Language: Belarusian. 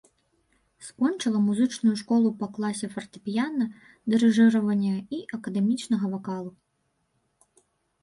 Скончыла музычную школу па класе фартэпіяна, дырыжыравання і акадэмічнага вакалу.